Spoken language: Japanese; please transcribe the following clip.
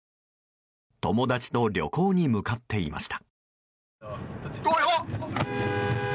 友達と旅行に向かっていました。